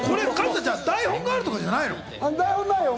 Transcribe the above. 台本があるとかじゃないの？ないよ。